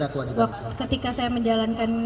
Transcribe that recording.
ketika saya menjalankan